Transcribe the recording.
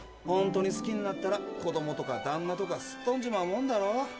ほんとに好きになったら子供とかだんなとかすっ飛んじまうもんだろ。